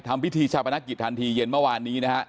พิธีชาปนกิจทันทีเย็นเมื่อวานนี้นะฮะ